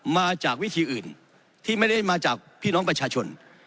มาจากวิธีอื่นที่ไม่ได้มาจากพี่น้องประชาชน